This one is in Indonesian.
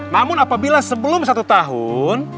namun apabila sebelum satu tahun